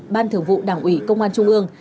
ban thường vụ đảng ủy công an trung ương